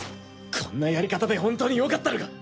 こんなやり方で本当によかったのか？